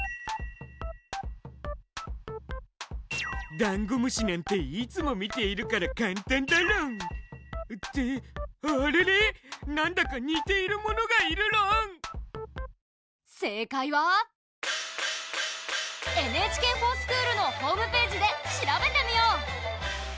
ダンゴムシなんていつも見ているから簡単だろん！ってあれれなんだか似ているものがいるろん⁉正解は「ＮＨＫｆｏｒＳｃｈｏｏｌ」のホームページで調べてみよう！